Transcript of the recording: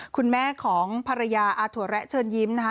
คุณแม่ของภรรยาอาถั่วแระเชิญยิ้มนะคะ